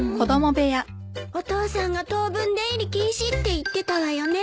お父さんが当分出入り禁止って言ってたわよね。